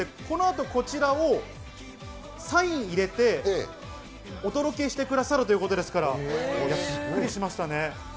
この後こちら、サインを入れてお届けしてくださるということですから、びっくりしましたね。